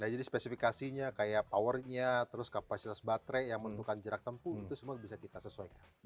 ya jadi spesifikasinya kayak powernya terus kapasitas baterai yang menentukan jarak tempuh itu semua bisa kita sesuaikan